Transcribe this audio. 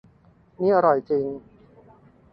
นี่อร่อยจริง